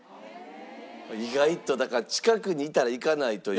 意外とだから近くにいたら行かないというか。